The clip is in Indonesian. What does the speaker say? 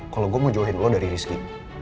kalau gue mau john lo dari rizky